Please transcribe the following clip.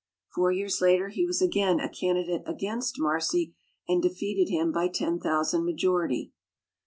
Four years later he was again a candidate against Marcy and defeated him by ten thousand majority.